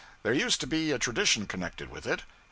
There used to be a tradition connected with it.